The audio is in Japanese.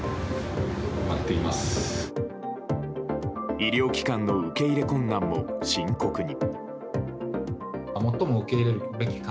医療機関の受け入れ困難も深刻に。